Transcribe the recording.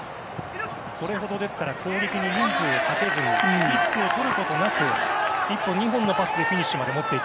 それほど攻撃に人数をかけずにリスクをとることなく１本、２本のパスでフィニッシュまで持っていく。